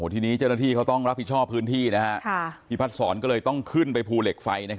ทีนี้เจ้าหน้าที่เขาต้องรับผิดชอบพื้นที่พี่พัดศรก็เลยต้องขึ้นไปภูเหล็กไฟ